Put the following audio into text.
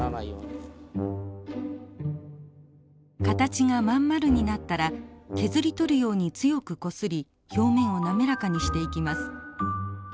形が真ん丸になったら削り取るように強くこすり表面を滑らかにしていきます。